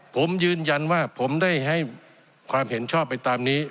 ผมยืนยันว่าผมได้ให้ความเห็นชอบไปตามนี้